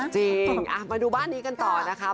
จริงมาดูบ้านนี้กันต่อนะคะ